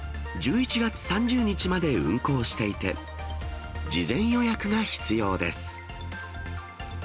１１月３０日まで運行していて、事前予約が必要です。